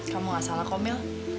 kamu gak salah komil